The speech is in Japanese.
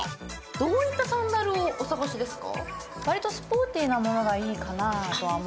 どういったサンダルをお探しですか？